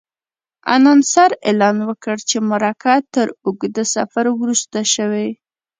انانسر اعلان وکړ چې مرکه تر اوږده سفر وروسته شوې.